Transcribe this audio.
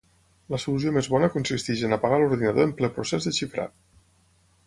La solució més bona consisteix en apagar l'ordinador en ple procés de xifrat.